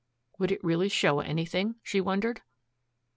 Would it really show anything, she wondered?